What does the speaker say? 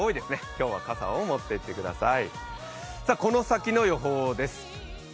今日は傘を持っていってください。